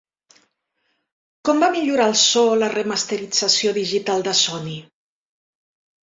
Com va millorar el so la remasterització digital de Sony?